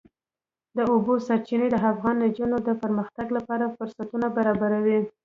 د اوبو سرچینې د افغان نجونو د پرمختګ لپاره فرصتونه برابروي.